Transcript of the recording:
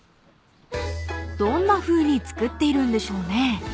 ［どんなふうに作っているんでしょうね］